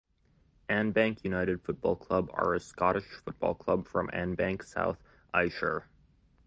Annbank United Football Club are a Scottish football club from Annbank, South Ayrshire.